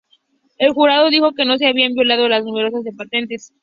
El jurado dijo que no se habían violado los números de patentes.